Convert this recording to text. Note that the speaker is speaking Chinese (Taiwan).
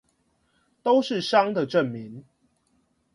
都是傷的證明